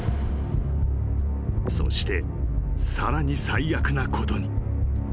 ［そしてさらに最悪なことに］